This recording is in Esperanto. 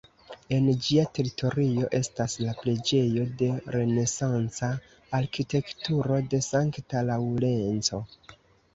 En ĝia teritorio estas la preĝejo de renesanca arkitekturo de sankta Laŭrenco.